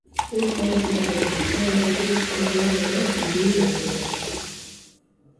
Ur-jauziaren atzealdetik oinez ere ibili daiteke.